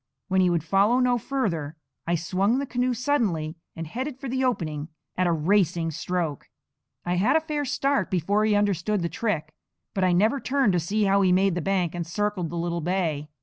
When he would follow no further, I swung the canoe suddenly, and headed for the opening at a racing stroke. I had a fair start before he understood the trick; but I never turned to see how he made the bank and circled the little bay.